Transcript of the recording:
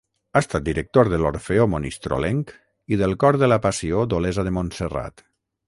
Ha estat director de l'Orfeó Monistrolenc i del Cor de la Passió d'Olesa de Montserrat.